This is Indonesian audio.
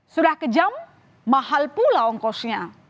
sudah kejam mahal pula ongkosnya